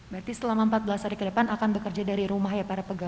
berarti selama empat belas hari ke depan akan bekerja dari rumah ya para pegawai